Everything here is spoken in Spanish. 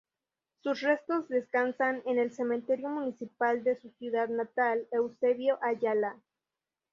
Sus restos descansan en el cementerio municipal de su ciudad natal, Eusebio Ayala.